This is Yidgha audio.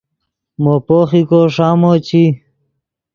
مو پوخیکو ݰامو چی